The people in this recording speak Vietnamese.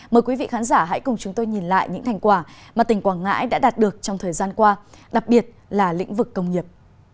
mời quý vị khán giả hãy cùng chúng tôi nhìn lại những thành quả mà tỉnh quảng ngãi đã đạt được trong thời gian qua đặc biệt là lĩnh vực công nghiệp